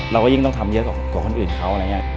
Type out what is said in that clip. เราก็ยิ่งต้องทำเยอะกว่าคนอื่นเขา